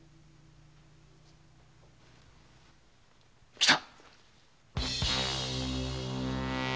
来た！